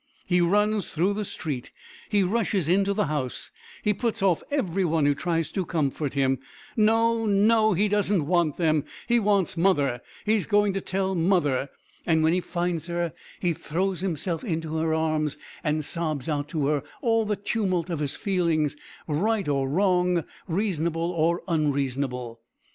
He runs through the street; he rushes into the house; he puts off every one who tries to comfort him. "No, no! he doesn't want them; he wants mother; he's going to tell mother." And when he finds her he throws himself into her arms and sobs out to her all the tumult of his feelings, right or wrong, reasonable or unreasonable.